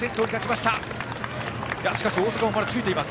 しかし大阪もまだついている。